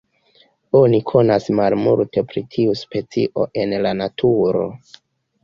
Oni konas malmulte pri tiu specio en la naturo.